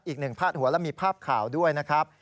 อีกหนึ่งพาดหัวและมีภาพข่าวด้วยนะครับ